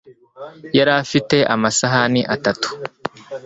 yari afite amasahani atatu